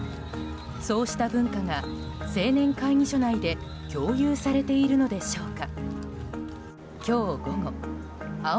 そうした文化が青年会議所内で共有されているのでしょうか。